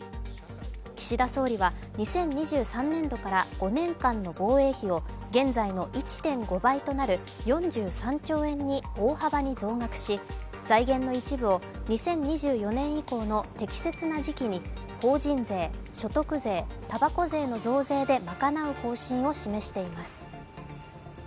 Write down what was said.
岸田総理は２０２３年度から５年間の防衛費を現在の１．５倍となる４３兆円に大幅に増額し財源の一部を２０２４年以降の適切な時期に法人税、所得税、たばこ税の増税で賄う方針を示しています。